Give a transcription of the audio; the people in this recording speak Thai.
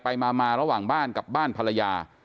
ไปมาระหว่างบ้านกับบ้านภรรยา